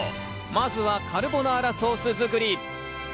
まずはカルボナーラソース作り。